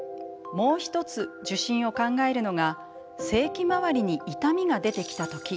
もう１つ、受診を考えるのが性器まわりに痛みが出てきた時。